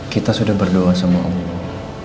kita sudah minta kesembuhan sama allah untuk karina